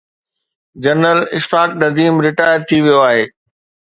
General Ashfaq Nadeem retired ٿي ويو آهي.